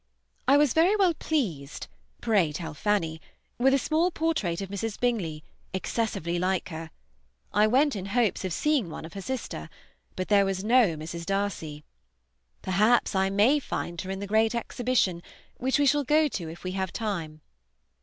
"I was very well pleased (pray tell Fanny) with a small portrait of Mrs. Bingley, excessively like her. I went in hopes of seeing one of her sister, but there was no Mrs. Darcy. Perhaps I may find her in the great exhibition, which we shall go to if we have time.